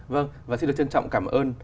vâng và xin được trân trọng cảm ơn